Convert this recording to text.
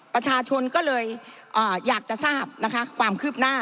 ประชาชนก็เลยอยากจะทราบนะคะความคืบหน้า